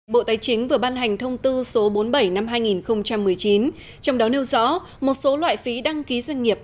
bộ tài chính vừa ban hành thông tư số bốn mươi bảy năm hai nghìn một mươi chín trong đó nêu rõ một số loại phí đăng ký doanh nghiệp